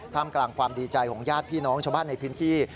กลางความดีใจของญาติพี่น้องชาวบ้านในพื้นที่